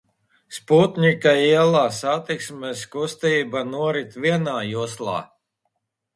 Sputņika ielā satiksmes kustība norit vienā joslā.